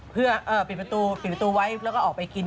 ปิดประตูไว้แล้วก็ออกไปกิน